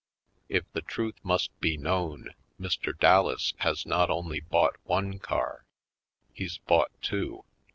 If the truth must be known, Mr. Dallas has not only bought one car; he's bought two.